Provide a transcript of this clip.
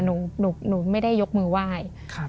หนูไม่ได้ยกมือว่าย